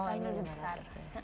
karena ini besar